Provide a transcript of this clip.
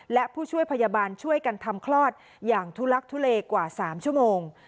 และผู้ช่วยพยาบาลช่วยกันทำคลอดอย่างทุลักทุเลกว่า๓ชั่วโมง